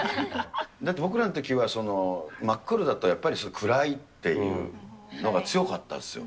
だって僕らのときは、真っ黒だと、やっぱり暗いっていうのが強かったですよ。